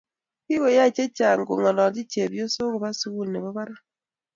Kikoyay chacheng kongalachi chebyosok koba sukul nibo parak